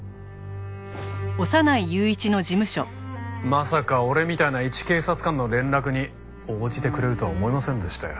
まさか俺みたいないち警察官の連絡に応じてくれるとは思いませんでしたよ。